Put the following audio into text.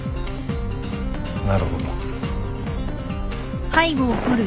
なるほど。